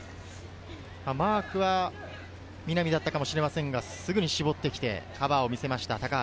マークは南だったかもしれませんが、すぐに絞ってカバーを見せました、高橋。